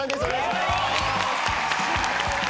お願いします。